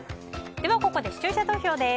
ここで視聴者投票です。